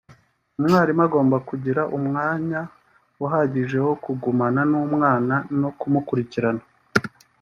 umwarimu agomba kugira umwanya uhagije wo kugumana n’umwana no kumukurikirana